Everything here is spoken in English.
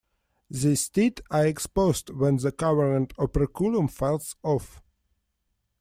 These teeth are exposed when the covering operculum falls off.